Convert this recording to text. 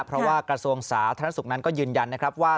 เพราะว่ากระทรวงศาสตร์ธรรมนักศึกษ์นั้นก็ยืนยันนะครับว่า